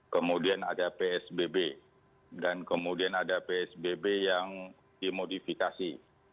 kemudian ada psbb dan kemudian ada psbb yang dimodifikasi